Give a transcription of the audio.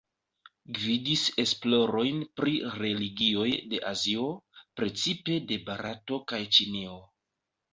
Gvidis esplorojn pri religioj de Azio, precipe de Barato kaj Ĉinio.